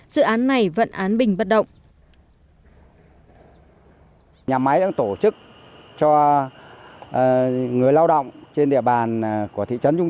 từ năm hai nghìn một mươi hai đến năm hai nghìn hai mươi trồng mới trên bốn bảy trăm linh hecta rừng